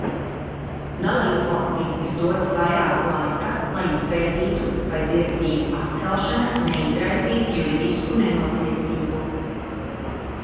Dalībvalstīm ir dots vairāk laika, lai izpētītu, vai direktīvu atcelšana neizraisīs juridisku nenoteiktību.